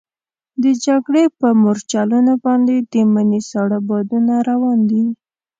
د جګړې پر مورچلونو باندې د مني ساړه بادونه روان دي.